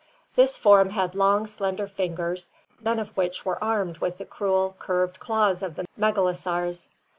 This form had long, slender fingers none of which were armed with the cruel curved claws of the megalosaurs.